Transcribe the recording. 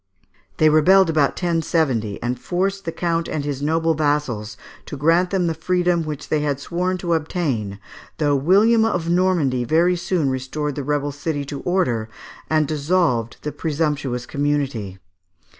They rebelled about 1070, and forced the count and his noble vassals to grant them the freedom which they had sworn to obtain, though William of Normandy very soon restored the rebel city to order, and dissolved the presumptuous community.